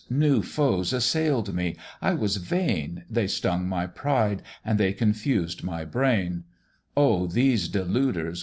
new foes assail'd me; I was vain, They stung my pride and they confused my brain: Oh! these deluders!